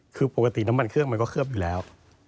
คือปกติน้ำมันเครื่องมันก็เคลือบอยู่แล้ว